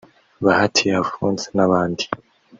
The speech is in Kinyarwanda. Bahati Alphonse n’abandi